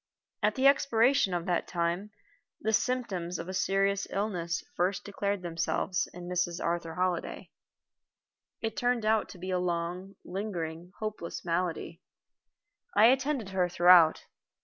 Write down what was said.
At the expiration of that time the symptoms of a serious illness first declared themselves in Mrs. Arthur Holliday. It turned out to be a long, lingering, hopeless malady. I attended her throughout.